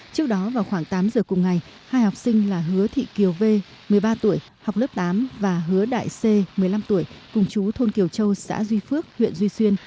trước đó vào khoảng tám giờ cùng ngày hai học sinh là hứa thị kiều v một mươi ba tuổi học lớp tám và hứa đại c một mươi năm tuổi cùng chú thôn kiều châu xã duy phước huyện duy xuyên